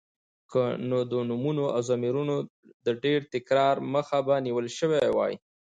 که نو د نومونو او ضميرونو د ډېر تکرار مخه به نيول شوې وې.